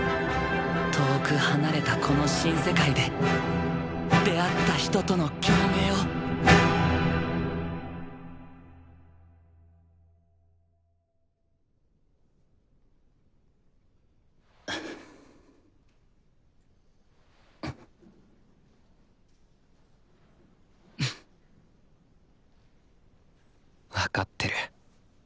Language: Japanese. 遠く離れたこの新世界で出会った人との共鳴を分かってる。